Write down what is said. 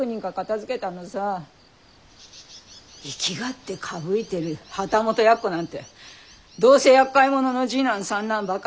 粋がってかぶいてる旗本奴なんてどうせやっかい者の次男三男ばかり。